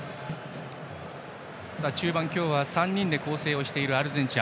中盤、今日は３人で構成しているアルゼンチン。